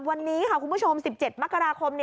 วันนี้ค่ะคุณผู้ชม๑๗มกราคม